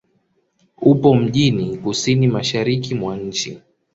Upo mjini kusini-mashariki mwa nchi.